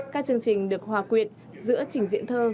các chương trình được hòa quyện giữa trình diễn thơ